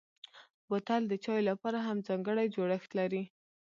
بوتل د چايو لپاره هم ځانګړی جوړښت لري.